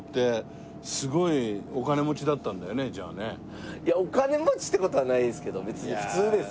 いやお金持ちって事はないですけど別に普通です。